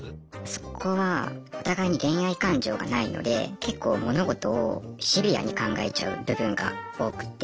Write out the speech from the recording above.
そこはお互いに恋愛感情がないので結構物事をシビアに考えちゃう部分が多くて。